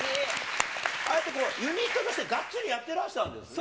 ああやってユニットとしてがっつりやってらしたんですね。